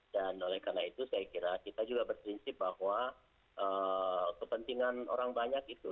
dan oleh karena itu saya kira kita juga bersensip bahwa kepentingan orang banyak itu